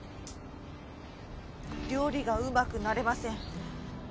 料理がうまくなれません。